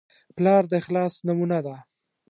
پلار د اخلاص نمونه ده.